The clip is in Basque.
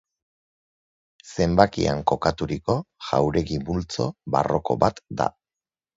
Zenbakian kokaturiko jauregi multzo barroko bat da.